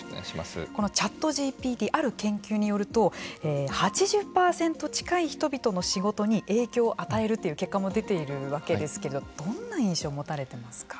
このＣｈａｔＧＰＴある研究によると８０％近い人々の仕事に影響を与えるという結果も出ているわけですけれどもどんな印象を持たれてますか。